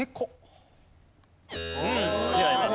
うん違います。